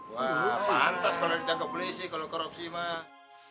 wah pantas kalau ditangkap polisi kalau korupsi mah